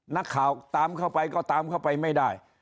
นักข่าวตามเข้าไปก็ตามเข้าไปไม่ได้